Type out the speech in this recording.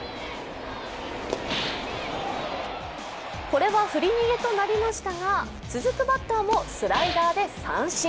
これは振り逃げとなりましたが続くバッターもスライダーで三振。